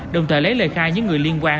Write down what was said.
đồng thời lấy lời khai những người liên quan